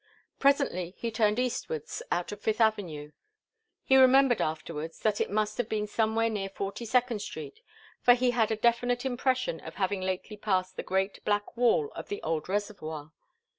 Presently he turned eastwards out of Fifth Avenue. He remembered afterwards that it must have been somewhere near Forty second Street, for he had a definite impression of having lately passed the great black wall of the old reservoir.